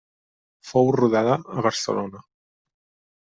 Fou rodada a Barcelona.